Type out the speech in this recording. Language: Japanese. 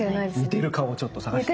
似てる顔をちょっと探して。